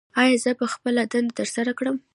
ایا زه به خپله دنده ترسره کړم؟